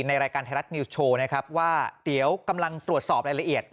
รายการไทยรัฐนิวส์โชว์นะครับว่าเดี๋ยวกำลังตรวจสอบรายละเอียด